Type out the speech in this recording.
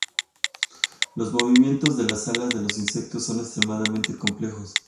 Los movimientos de las alas de los insectos son extremadamente complejos.